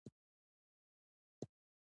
د هرات باغونه زعفران لري.